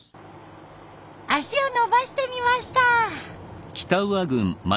足をのばしてみました。